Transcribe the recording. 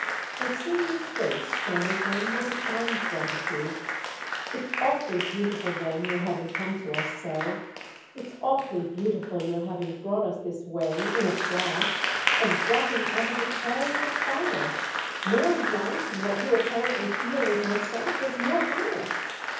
Her serious face shone at him with a charmed gratitude. "It's awfully beautiful then your having come to us so. It's awfully beautiful your having brought us this way, in a flash—as dropping out of a chariot of fire—more light and what you apparently feel with myself as more honour."